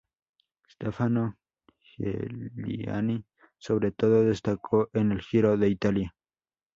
Stefano Giuliani sobre todo destacó en el Giro de Italia.